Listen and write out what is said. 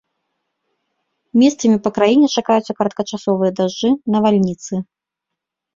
Месцамі па краіне чакаюцца кароткачасовыя дажджы, навальніцы.